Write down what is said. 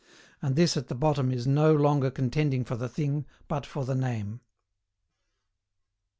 And this at the bottom is no longer contending for the thing, but for the name. 76.